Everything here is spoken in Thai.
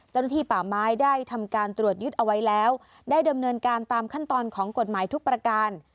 เจ้าหน้าที่ป่าไม้ได้ทำการตรวจยึดเอาไว้แล้วได้ดำเนินการตามขั้นตอนของกฎหมายทุกประการ